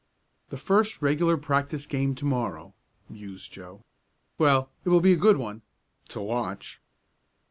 "The first regular practice game to morrow," mused Joe. "Well, it will be a good one to watch."